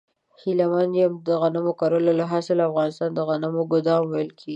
هلمند ته د غنم کرلو له لحاظه د افغانستان د غنمو ګدام ویل کیږی